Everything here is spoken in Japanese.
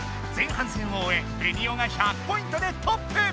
前半戦をおえベニオが１００ポイントでトップ！